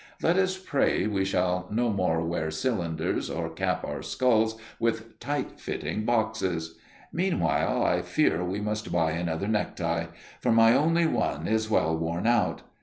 Let us pray we shall no more wear cylinders or cap our skulls with tight fitting boxes! Meanwhile, I fear I must buy another necktie, for my only one is well worn out.